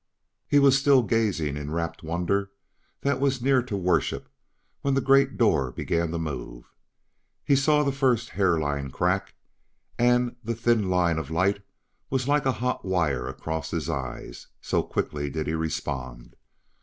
He was still gazing in rapt wonder that was near to worship when the great door began to move. He saw the first hair line crack, and the thin line of light was like a hot wire across his eyes, so quickly did he respond.